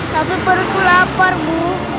tapi baru aku lapar bu